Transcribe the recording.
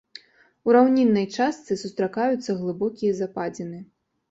У раўніннай частцы сустракаюцца глыбокія западзіны.